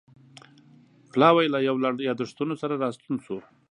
پلاوی له یو لړ یادښتونو سره راستون شو.